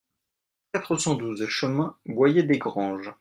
quatre cent douze chemin Boyer Desgranges